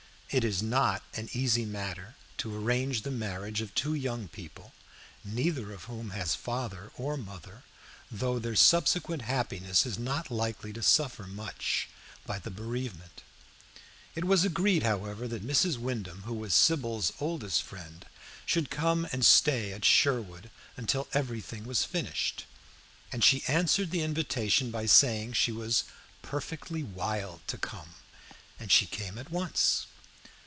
It is not an easy matter to arrange the marriage of two young people neither of whom has father or mother, though their subsequent happiness is not likely to suffer much by the bereavement. It was agreed, however, that Mrs. Wyndham, who was Sybil's oldest friend, should come and stay at Sherwood until everything was finished; and she answered the invitation by saying she was "perfectly wild to come," and she came at once.